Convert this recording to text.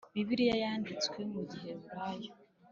bibiliya yanditswe muri giheburayo